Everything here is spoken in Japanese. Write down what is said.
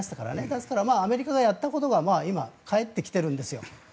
ですからアメリカがやったことが今、返ってきているんですよ。